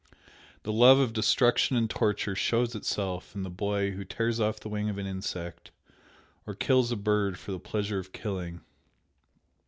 The love of destruction and torture shows itself in the boy who tears off the wing of an insect, or kills a bird for the pleasure of killing.